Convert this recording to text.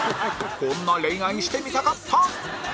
こんな恋愛してみたかった！